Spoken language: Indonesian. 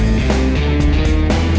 udah bocan mbak